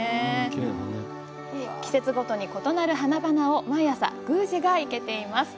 季節ごとに異なる花々を毎朝、宮司が生けています。